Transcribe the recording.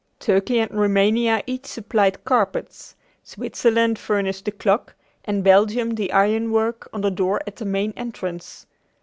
Turkey and Roumania each supplied carpets, Switzerland furnished the clock, and Belgium the iron work on the door at the main entrance.